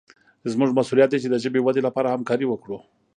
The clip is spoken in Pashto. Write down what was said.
زموږ مسوولیت دی چې د ژبې ودې لپاره همکاري وکړو.